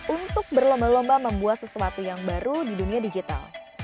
untuk berlomba lomba membuat sesuatu yang baru di dunia digital